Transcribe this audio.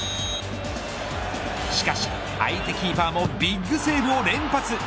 しかし相手キーパーもビッグセーブを連発。